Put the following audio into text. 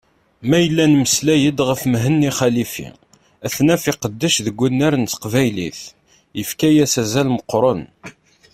Ma yella nemmeslay-d ɣef Mhenni Xalifi, ad t-naf iqeddec deg unnar n teqbaylit, yefka-as azal meqqṛen.